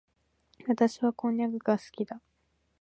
私はこんにゃくが好きだ。